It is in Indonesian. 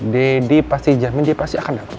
deddy pasti jamin dia pasti akan dapat